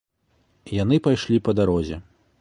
Яны пайшлі па дарозе.